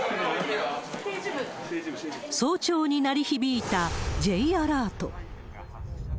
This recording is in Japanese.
早朝に鳴り響いた、Ｊアラート。